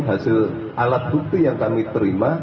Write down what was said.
hasil alat bukti yang kami terima